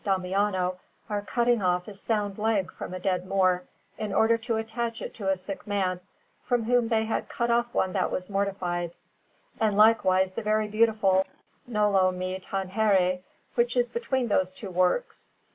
Damiano are cutting off a sound leg from a dead Moor, in order to attach it to a sick man, from whom they had cut off one that was mortified; and likewise the very beautiful "Noli me tangere," which is between those two works.